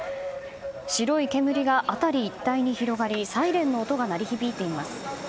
白い煙が辺り一帯に広がりサイレンの音が鳴り響いています。